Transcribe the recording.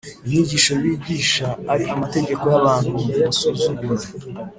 inyigisho bigisha ari amategeko y abantu Musuzugura